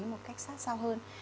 một cách sát sao hơn